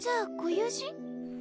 友人？